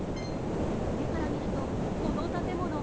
上から見るとこの建物。